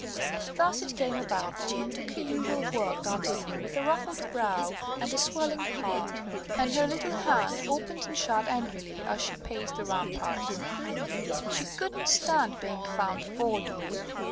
Thus it came about that Jeanne took her usual walk that evening with a ruffled brow and a swelling heart; and her little hand opened and shut angrily as she paced the ramparts. She couldn't stand being found fault with.